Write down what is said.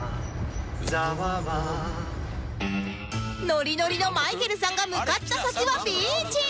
ノリノリのまいけるさんが向かった先はビーチ